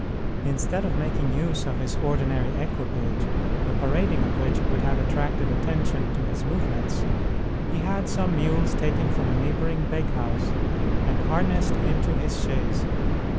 Instead of making use of his ordinary equipage, the parading of which would have attracted attention to his movements, he had some mules taken from a neighboring bakehouse and harnessed into his chaise.